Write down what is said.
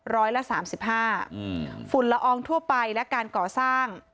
ร้อยละสามสิบห้าอืมฝุ่นละอองทั่วไปและการก่อสร้าง